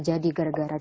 nah aku milling mending